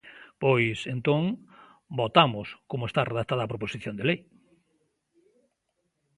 Pois, entón, votamos como está redactada a proposición de lei.